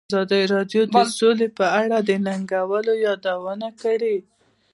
ازادي راډیو د سوله په اړه د ننګونو یادونه کړې.